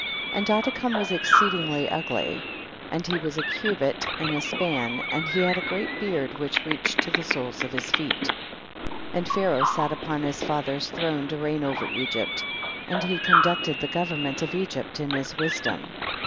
6. And Adikam was exceedingly ugly, and he was a cubit and a span and he had a great beard which reached to the soles of his feet. 7. And Pharaoh sal upon liis fa ther's throne to reign over Egypt, and he conducted the government of Egypt in his wisdom.